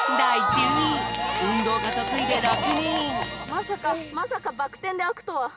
まさかまさかバックてんであくとは。